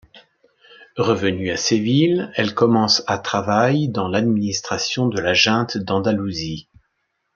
Revenue à Séville, elle commence à travaille dans l'administration de la Junte d'Andalousie.